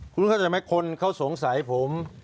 คุณเข้าใจไหมคนเขาสงสัยผม